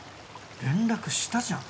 連絡したじゃん。